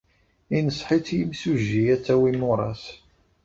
Yenṣeḥ-itt yimsujji ad tawi imuras.